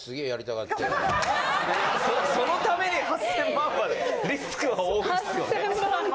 ・そのために８０００万はリスクは大きいっすよね。